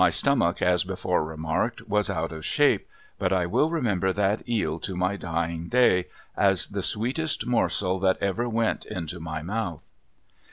My stomach, as before remarked, was out of shape, but I will remember that eel to my dying day as the sweetest morsel that ever went into my mouth.